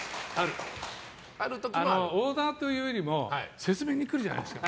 オーダーというよりも説明に来るじゃないですか